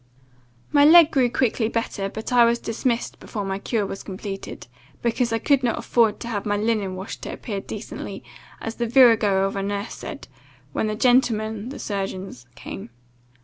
"My leg grew quickly better; but I was dismissed before my cure was completed, because I could not afford to have my linen washed to appear decently, as the virago of a nurse said, when the gentlemen (the surgeons) came.